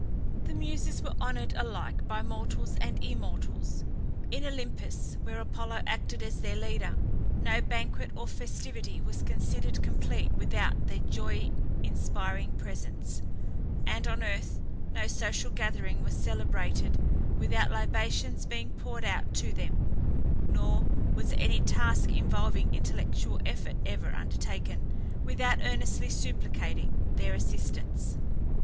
The Muses were honoured alike by mortals and immortals. In Olympus, where Apollo acted as their leader, no banquet or festivity was considered complete without their joy inspiring presence, and on earth no social gathering was celebrated without libations being poured out to them; nor was any task involving intellectual effort ever undertaken, without earnestly supplicating their assistance.